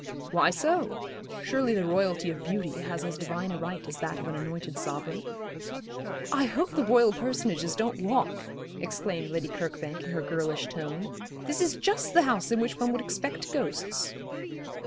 'Why so? Surely the Royalty of beauty has as divine a right as that of an anointed sovereign.' 'I hope the Royal personages don't walk,' exclaimed Lady Kirkbank, in her girlish tone; 'this is just the house in which one would expect ghosts.'